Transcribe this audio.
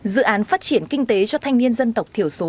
dự án phát triển kinh tế cho thanh niên dân tộc thiểu số